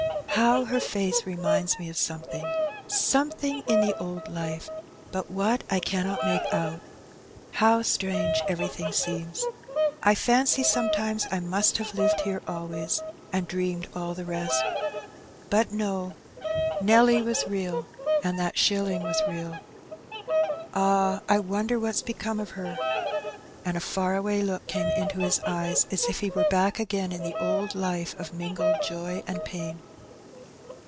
How her face reminds me of something, some thing in the old life, but what I cannot make out. How strange everything seems ! I fancy sometimes I must have lived here always, and dreamed all the rest. But no, Nelly, B 2 244 Her Benny. was real^ and that shilling was real. Ah ! I wonder what's become of her/' And a £Eur away look came into his eyes^ as if he were back again in the old life of mingled joy and pain.